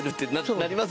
なります。